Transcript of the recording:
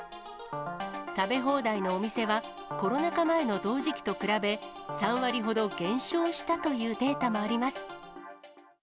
食べ放題のお店は、コロナ禍前の同時期と比べ、３割ほど減少したというデータもあります。